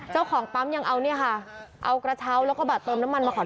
เจ้าของปั๊มยังเอากระเช้าแล้วก็บาดเติมน้ำมันมาขอโทษ